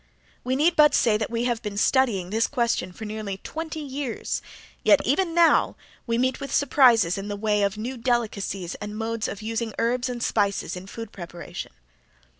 We need but say that we have been studying this question for nearly twenty years yet even now we meet with surprises in the way of new delicacies and modes of using herbs and spices in food preparation.